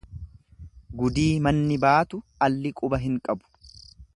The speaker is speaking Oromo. Gudii manni baatu, alli quba hin qabu.